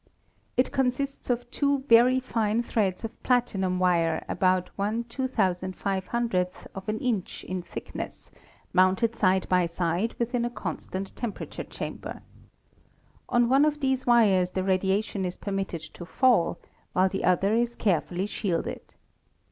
It consists of two very fine threads of platinum wire about 1/2500 of an inch in thick ness, mounted side by side within a constant temperature 34 ASTRONOMY chamber. On one of these wires the radiation is permit ted to fall, while the other is carefully shielded.